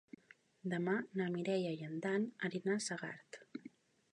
Demà na Mireia i en Dan aniran a Segart.